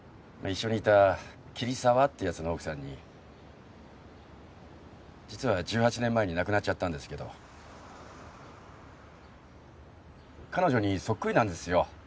一緒にいた桐沢って奴の奥さんに実は１８年前に亡くなっちゃったんですけど彼女にそっくりなんですよ